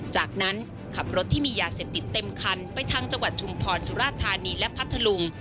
จากนั้นขับรถที่มียาเสพติดเต็มคันไปทางจังหวัดชุมพรสุราธานีและพัทธลุง